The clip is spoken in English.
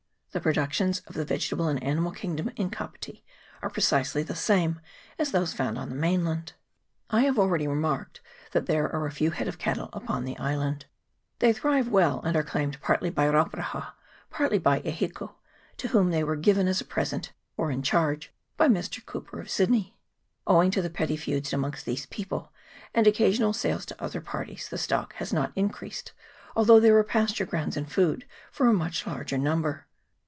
The productions of the vegetable and animal king dom in Kapiti are precisely the same as those found on the mainland. 110 LAND SHARKS. [PART I, I have already remarked that there are a few head of cattle upon the island. They thrive well, and are claimed partly by Rauparaha, partly by E Hiko, to whom they were given as a present, or in charge, by Mr. Cooper of Sydney. Owing to the petty feuds amongst these people, and occasional sales to other parties, the stock has not increased, although there are pasture grounds and food for a much larger number.